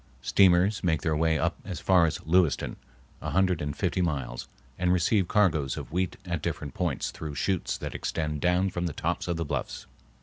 Steamers make their way up as far as Lewiston, a hundred and fifty miles, and receive cargoes of wheat at different points through chutes that extend down from the tops of the bluffs.